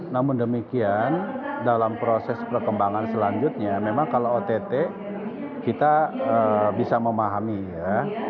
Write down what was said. namun demikian dalam proses perkembangan selanjutnya memang kalau ott kita bisa memahami ya